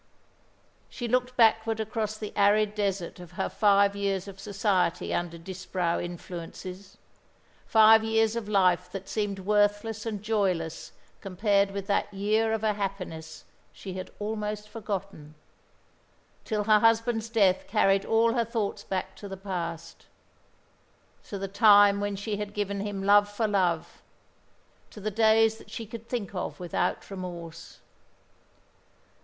She looked backward across the arid desert of her five years of society under Disbrowe influences, five years of life that seemed worthless and joyless compared with that year of a happiness she had almost forgotten, till her husband's death carried all her thoughts back to the past: to the time when she had given him love for love; to the days that she could think of without remorse.